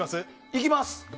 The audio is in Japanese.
いきます！